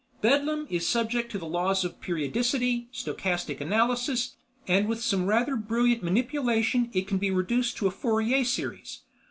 Bedlam is subject to the laws of periodicity, stochastic analysis, and with some rather brilliant manipulation it can be reduced to a Fourier Series.